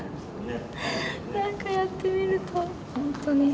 何かやってみると本当に。